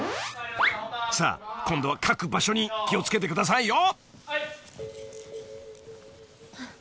［さあ今度は書く場所に気を付けてくださいよ］